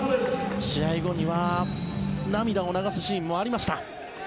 試合後には涙を流すシーンもありました。